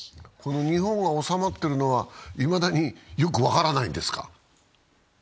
日本が収まっているのはいまだによく分からないんですか？